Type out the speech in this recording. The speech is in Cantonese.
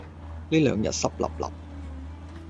呢兩日濕立立